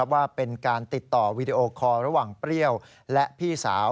ว่าเป็นการติดต่อวีดีโอคอร์ระหว่างเปรี้ยวและพี่สาว